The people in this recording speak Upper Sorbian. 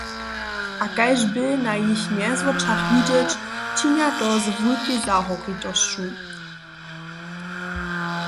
A kaž bě na jich mjezwočach widźeć, činja to z wulkej zahoritosću.